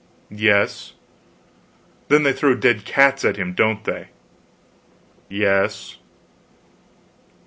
"Yes." "Then they throw dead cats at him, don't they?" "Yes."